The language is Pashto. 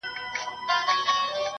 شكر دى چي مينه يې په زړه كـي ده,